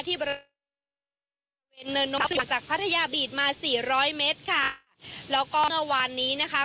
ที่จากพัทยาบีทมาสี่ร้อยเมตรค่ะแล้วก็เมื่อวานนี้นะคะ